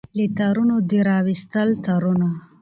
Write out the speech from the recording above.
له تارونو دي را وایستل تورونه